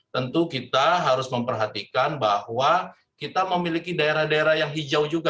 tentu kita harus memperhatikan bahwa kita memiliki daerah daerah yang hijau juga